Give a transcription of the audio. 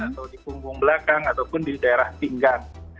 atau di punggung belakang ataupun di daerah pinggang